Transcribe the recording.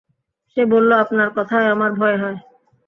সে বললে, আপনার কথায় আমার ভয় হয়।